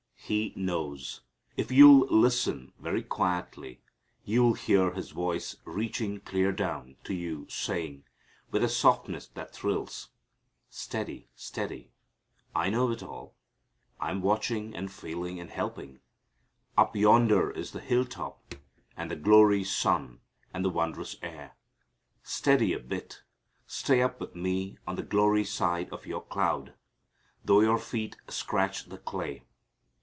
He knows. If you'll listen very quietly, you'll hear His voice reaching clear down to you saying, with a softness that thrills, "Steady steady I know it all. I'm watching and feeling and helping. Up yonder is the hill top and the glory sun and the wondrous air. Steady a bit. Stay up with Me on the glory side of your cloud, though your feet scratch the clay."